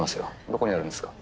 どこにあるんですか？